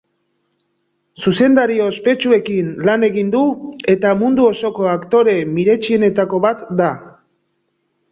Zuzendari ospetsuekin lan egin du eta mundu osoko aktore miretsienetako bat da.